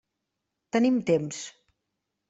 Tenim temps.